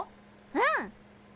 うん！